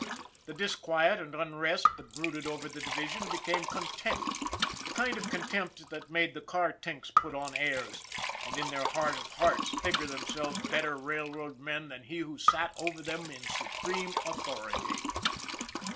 The disquiet and unrest that brooded over the division became con tempt the kind of contempt that made the car tinks put on airs, and in their heart of hearts figure them selves better railroad men than he who sat over them in supreme authority.